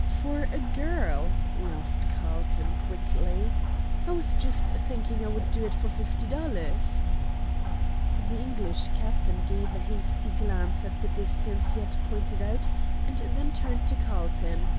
"For a girl!" laughed Carlton, quickly. "I was just thinking I would do it for fifty dollars." The English captain gave a hasty glance at the distance he had pointed out, and then turned to Carlton.